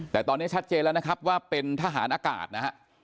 แต่ตอนนี้ชัดเจนแล้วนะครับว่าเป็นทหารอากาศนะฮะ